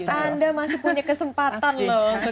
anda masih punya kesempatan loh